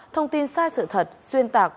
thông tin sai sự thật xuyên tạc